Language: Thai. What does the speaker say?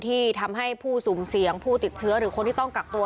ที่ทำให้ผู้สุ่มเสี่ยงผู้ติดเชื้อหรือคนที่ต้องกักตัว